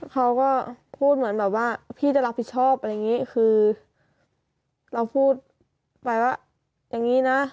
เขาก็พูดเหมือนแบบว่าพี่จะรับผิดชอบอะไรอย่างนี้คือเราพูดไปว่าอย่างนี้นะ